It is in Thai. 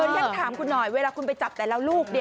ฉันถามคุณหน่อยเวลาคุณไปจับแต่ละลูก